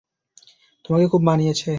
তোমাকে খুব মানিয়েছে।